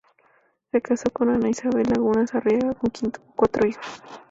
Se casó con Ana Isabel Lagunas Arriagada, con quien tuvo cuatro hijos.